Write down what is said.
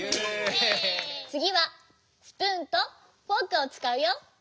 つぎはスプーンとフォークをつかうよ。